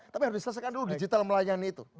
tapi harus diselesaikan dulu digital melayani itu